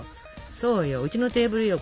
そうようちのテーブルよ